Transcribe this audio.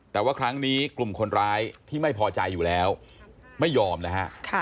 แต่ว่าครั้งนี้กลุ่มคนร้ายที่ไม่พอใจอยู่แล้วไม่ยอมนะฮะ